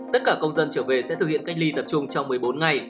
tất cả công dân trở về sẽ thực hiện cách ly tập trung trong một mươi bốn ngày